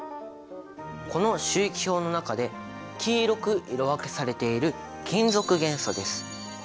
この周期表の中で黄色く色分けされている金属元素です！